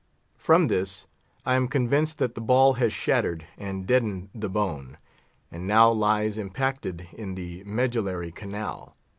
From this, I am convinced that the ball has shattered and deadened the bone, and now lies impacted in the medullary canal.